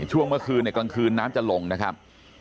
ช่วงเมื่อคืนในกลางคืนน้ำจะลงนะครับ